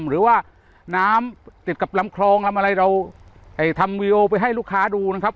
หรือว่าน้ำติดกับลำคลองลำอะไรเราทำวิวไปให้ลูกค้าดูนะครับ